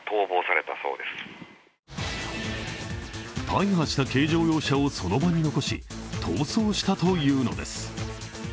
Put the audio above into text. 大破した軽乗用車をその場に残し、逃走したというのです。